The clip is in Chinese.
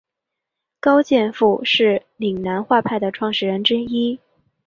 高剑父是岭南画派的创始人之一。